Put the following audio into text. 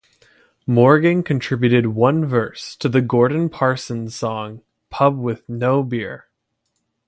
Morgan contributed one verse to the Gordon Parsons song "Pub With No Beer".